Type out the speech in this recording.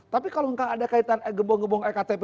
tapi kalau enggak ada kaitan gembong gembong ektp